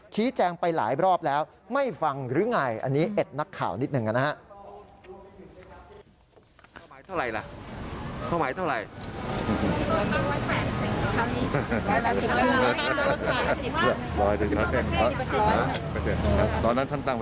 ชี้แจงไปหลายรอบแล้วไม่ฟังหรือไงอันนี้เอ็ดนักข่าวนิดหนึ่งนะครับ